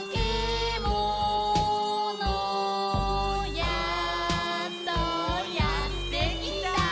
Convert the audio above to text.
やっとやってきた」